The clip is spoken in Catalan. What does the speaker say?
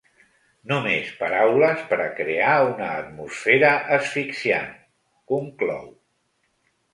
Només paraules per a crear una atmosfera asfixiant, conclou.